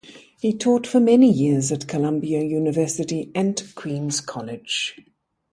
He taught for many years at Columbia University and Queens College.